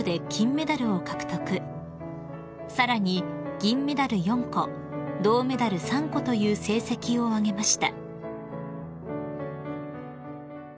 ［さらに銀メダル４個銅メダル３個という成績を挙げました］